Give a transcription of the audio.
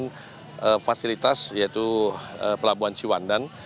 memang kita ingin memastikan fasilitas yaitu pelabuhan cewandan